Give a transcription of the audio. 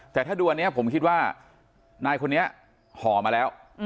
แต่ถ้าดูอันนี้ผมคิดว่านายคนนี้ห่อมาแล้ว